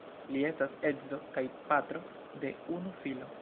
Li estas edzo kaj patro de unu filo.